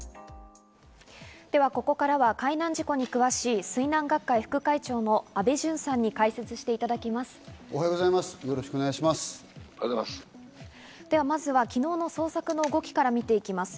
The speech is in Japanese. ではここからは海難事故に詳しい水難学会副会長の安倍淳さんに解説していただきます。